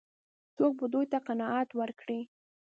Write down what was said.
څوک به دوی ته قناعت ورکړي؟